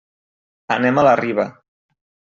Anem a la Riba.